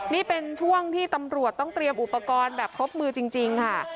นี่เป็นช่วงที่ตำรวจต้องเตรียมอุปกรณ์แบบครบมือจริงค่ะ